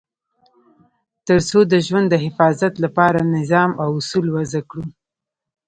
تر څو د ژوند د حفاظت لپاره نظام او اصول وضع کړو.